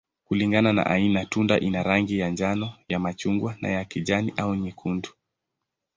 Kulingana na aina, tunda ina rangi ya njano, ya machungwa, ya kijani, au nyekundu.